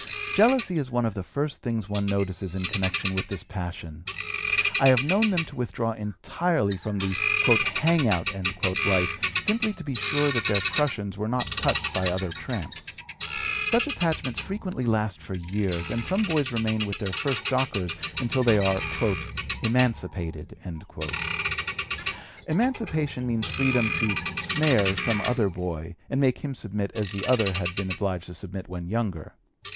Jealousy is one of the first things one notices in connection with this passion. I have known them to withdraw entirely from the "hang out" life simply to be sure that their prushuns were not touched by other tramps. Such attachments frequently last for years, and some boys remain with their first jockers until they are "emancipated." Emancipation means freedom to "snare" some other boy, and make him submit as the other had been obliged to submit when younger.